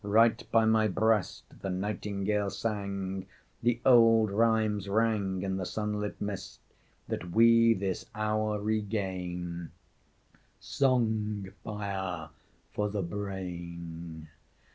Right by my breast the nightingale sang; The old rhymes rang in the sunlit mist That we this hour regain Song fire for the brain.